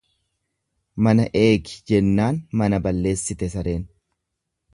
Mana eegi jennaan mana balleessite sareen.